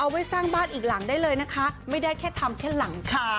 ไว้สร้างบ้านอีกหลังได้เลยนะคะไม่ได้แค่ทำแค่หลังคา